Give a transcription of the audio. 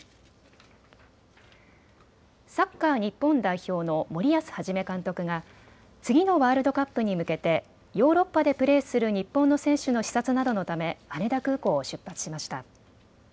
サッカー日本代表の森保一監督が次のワールドカップに向けてヨーロッパでプレーする日本の選手の視察などのため羽田空港を出発しました。